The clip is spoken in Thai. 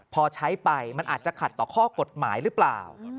พอใช้ไปมันอาจจะขัดต่อข้อกฎหมายหรือเปล่า